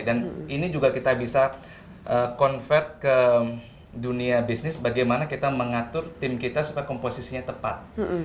dan ini juga kita bisa convert ke dunia bisnis bagaimana kita mengatur tim kita supaya komposisinya tepat